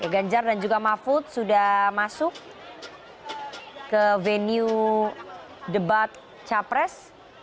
ganjar dan juga mahfud sudah masuk ke venue debat capres